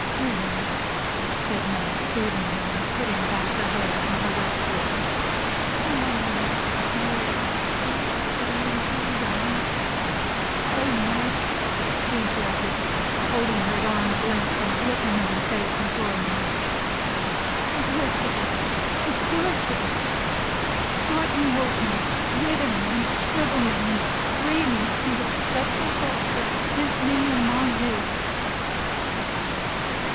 "Lilly!" said Meg, soothing her, and putting back her hair from her wet face. "Why, Lilly! You! So pretty and so young!" "Oh, Meg!" she interrupted, holding her at arm's length, and looking in her face imploringly. "The worst of all! The worst of all! Strike me old, Meg! Wither me and shrivel me, and free me from the dreadful thoughts that tempt me in my youth!"